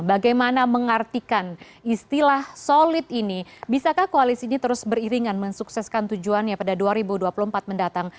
bagaimana mengartikan istilah solid ini bisakah koalisi ini terus beriringan mensukseskan tujuannya pada dua ribu dua puluh empat mendatang